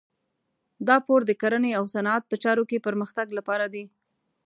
دا پور د کرنې او صنعت په چارو کې پرمختګ لپاره دی.